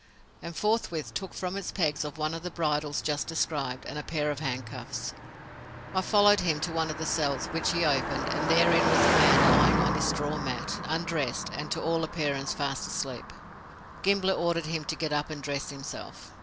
And forthwith took from its pegs one of the bridles just described, and a pair of handcuffs. I followed him to one of the cells, which he opened, and therein was a man lying on his straw mat, undressed, and to all appearance fast asleep. Gimblett ordered him to get up and dress himself.